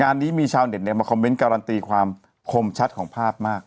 นี้มีชาวเน็ตมาคอมเมนต์การันตีความคมชัดของภาพมาก